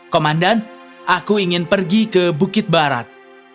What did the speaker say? komandan aku ingin pergi ke bukit barat